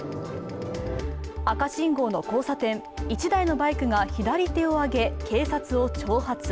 赤信号の交差点、１台のバイクが左手を挙げ、警察を挑発。